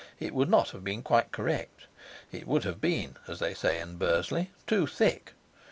It would not have been quite correct; it would have been, as they say in Bursley, too thick.